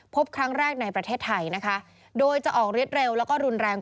พบครั้งแรกในประเทศไทยนะคะโดยจะออกฤทธิเร็วแล้วก็รุนแรง